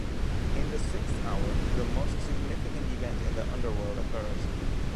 In the sixth hour the most significant event in the underworld occurs.